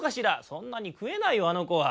「そんなにくえないよあのこは。